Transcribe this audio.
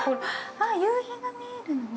あ、夕日が見えるのね。